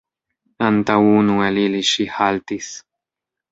Antaŭ unu el ili ŝi haltis.